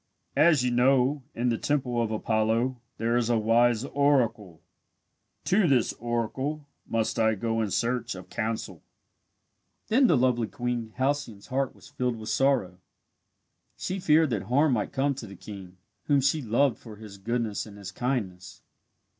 As you know, in the Temple of Apollo there is a wise oracle. To this oracle must I go in search of counsel." Then the lovely Queen Halcyone's heart was filled with sorrow. She feared that harm might come to the king, whom she loved for his goodness and his kindness.